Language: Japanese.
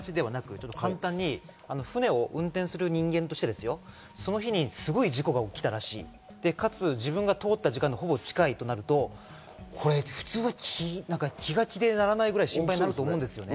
船を運転する人間としてですよ、その日にすごい大きな事故が起きたらしい、かつ自分が通った時間帯に近いとなると普通、気が気でならないぐらい心配になると思うんです。